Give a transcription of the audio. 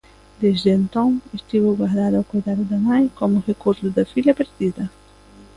Desde entón, estivo gardada ao coidado da nai como recordo da filla perdida.